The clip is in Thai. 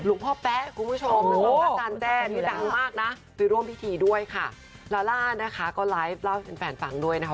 อืมเดี๋ยวพี่ทีด้วยนะคะลาลานะคะขอไลฟ์เล่าให้เป็นแฟนฟังด้วยนะคะ